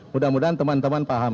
mudah mudahan teman teman paham